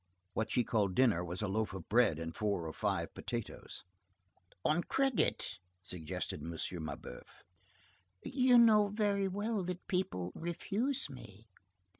What she called dinner was a loaf of bread and four or five potatoes. "On credit?" suggested M. Mabeuf. "You know well that people refuse me."